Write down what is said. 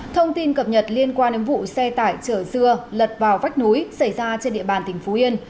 thông tin cập nhật liên quan đến vụ xe tải chở dưa lật vào vách núi xảy ra trên địa bàn tỉnh phú yên